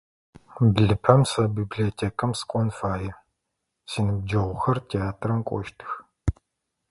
Блыпэм сэ библиотекам сыкӏон фае, синыбджэгъухэр театрам кӏощтых.